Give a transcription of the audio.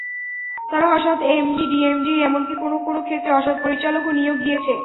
তারা অসৎ MD, DMD এমনকি কোনো কোনো ক্ষেত্রে অসৎ পরিচালকও নিয়োগ দিয়েছে।